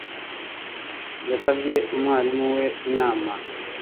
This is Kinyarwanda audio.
Yasabye mwarimu we inama